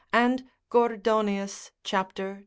1. and Gordonius, cap. 20.